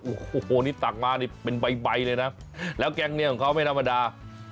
แมงลักโอ้โหนี่ตักมาเป็นใบเลยนะแล้วแกงเนี่ยของเขาไม่นามดา